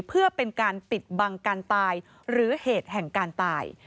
เพื่อเป็นการปิดบังการตายหรือเหตุแห่งการตาย